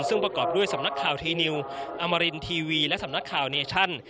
ซึ่งประกอบด้วยสำนักข่าวทีนิวอมรินทีวีและสำนักข่าวเนชั่น